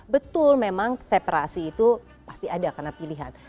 betul memang separasi itu pasti ada karena pilihan